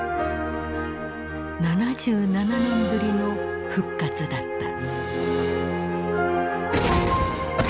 ７７年ぶりの復活だった。